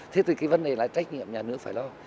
thế thì cái vấn đề là trách nhiệm nhà nước phải lo